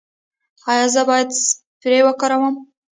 ایا زه باید سپری وکاروم؟